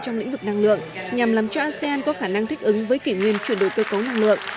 trong lĩnh vực năng lượng nhằm làm cho asean có khả năng thích ứng với kỷ nguyên chuyển đổi cơ cấu năng lượng